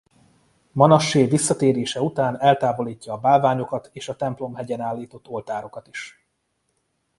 Manassé visszatérése után eltávolítja a bálványokat és a Templom-hegyen állított oltárokat is.